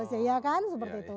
ya kan seperti itu